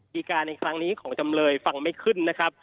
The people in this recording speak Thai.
ดีการในครั้งนี้ของจำเลยฟังไม่ขึ้นนะครับ